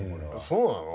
そうなの？